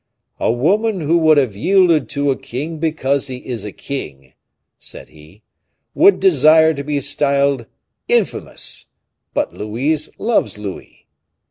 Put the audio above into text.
"A woman who would have yielded to a king because he is a king," said he, "would deserve to be styled infamous; but Louise loves Louis.